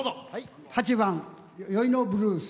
８番「酔いのブルース」。